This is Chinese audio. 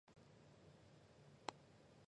世界开始恢复和平。